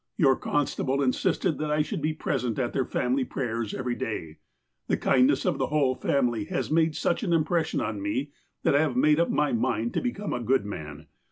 Your constable insisted that I should be present at their family prayers every day. The kindness of the whole family has made such an impression on me that I have made up my mind to become a good man.